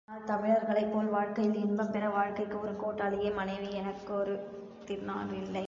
ஆனால் தமிழர்களைப் போல் வாழ்க்கையில் இன்பம் பெற வாழ்க்கைக்கு ஒரு கூட்டாளியே மனைவி எனக் கருதினார்களில்லை.